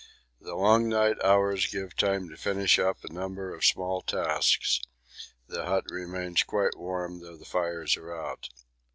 The long night hours give time to finish up a number of small tasks the hut remains quite warm though the fires are out.